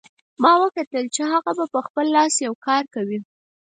ما وکتل چې هغه په خپل لاس یو کار کوي